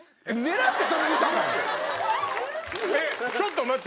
ちょっと待って！